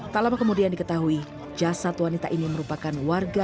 tak lama kemudian diketahui jasad wanita ini merupakan warga